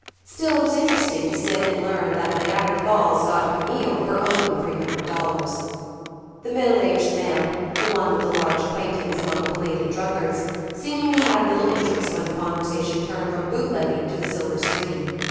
Still it was interesting to sit and learn that Niagara Falls got "Camille" for only $300. The middle aged man, the one with the large acquaintance among belated drunkards, seemingly had little interest when the conversation turned from bootlegging to the silver screen.